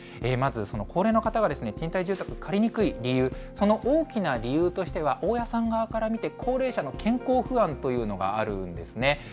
まずその高齢の方が賃貸住宅借りにくい理由、その大きな理由としては、大家さん側から見て高齢者の健康不安というのがあるんですね。